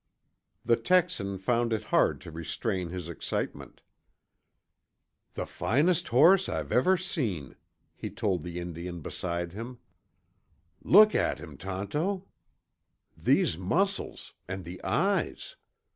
The Texan found it hard to restrain his excitement. "The finest horse I've ever seen," he told the Indian beside him. "Look at him, Tonto! These muscles, and the eyes!